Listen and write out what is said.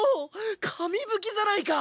神武器じゃないか！